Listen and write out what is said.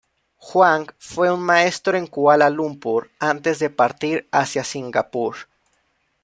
Huang fue un maestro en Kuala Lumpur antes de partir hacia Singapur.